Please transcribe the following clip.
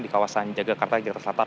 di kawasan jaga kartang jakarta selatan